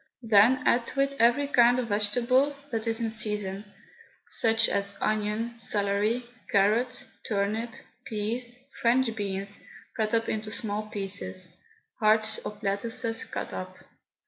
Then add to it every kind of vegetable that is in season, such as onion, celery, carrot, turnip, peas, French beans, cut up into small pieces, hearts of lettuces cut up.